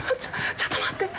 ちょっと待って！